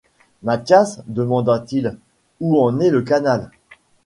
Mathias, demanda-t-il, où en est le canal ?